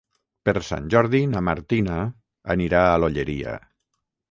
Per Sant Jordi na Martina anirà a l'Olleria.